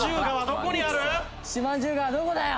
どこだよ！